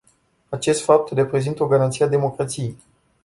Acest fapt reprezintă o garanție a democrației.